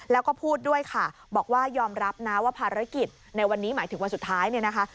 แล้วก็พูดด้วยค่ะบอกว่ายอมรับนะว่าภารกิจในวันนี้หมายถึงวันสุดท้ายเนี่ยนะคะ